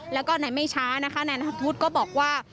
แล้วก็ในไม่ช้านะคะนายนัทธวุฒิก็บอกว่า